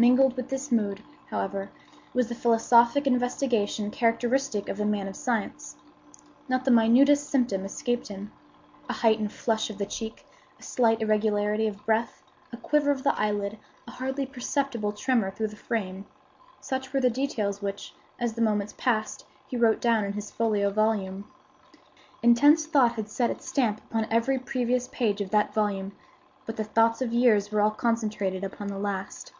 Mingled with this mood, however, was the philosophic investigation characteristic of the man of science. Not the minutest symptom escaped him. A heightened flush of the cheek, a slight irregularity of breath, a quiver of the eyelid, a hardly perceptible tremor through the frame,—such were the details which, as the moments passed, he wrote down in his folio volume. Intense thought had set its stamp upon every previous page of that volume, but the thoughts of years were all concentrated upon the last.